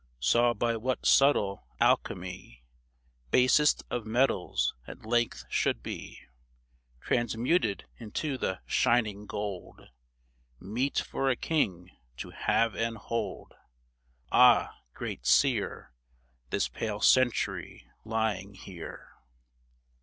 Saw by what subtle alchemy Basest of metals at length should be Transmuted into the shining gold, Meet for a king to have and hold. Ah ! great Seer ! This pale Century lying here